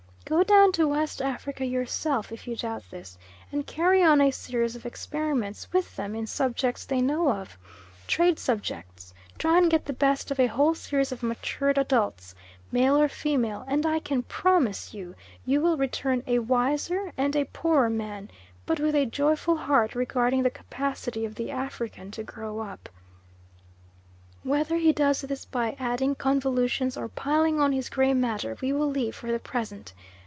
Go down to West Africa yourself, if you doubt this, and carry on a series of experiments with them in subjects they know of trade subjects try and get the best of a whole series of matured adults, male or female, and I can promise you you will return a wiser and a poorer man, but with a joyful heart regarding the capacity of the African to grow up. Whether he does this by adding convolutions or piling on his gray matter we will leave for the present.